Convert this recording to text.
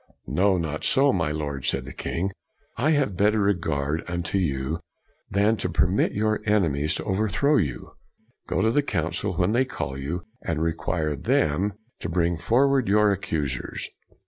" No, not so, my Lord," said the king. " I have better regard unto you than to permit your enemies to overthrow you. Go to the Council when they call you, and require them to bring forward your accusers.